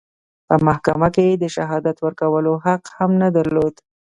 په محکمه کې د شهادت ورکولو حق هم نه درلود.